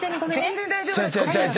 全然大丈夫です。